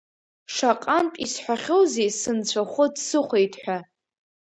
Шаҟантә исҳәахьоузеи сынцәахәы дсыхәеит ҳәа.